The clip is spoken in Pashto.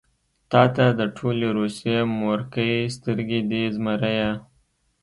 تاته د ټولې روسيې مورکۍ سترګې دي زمريه.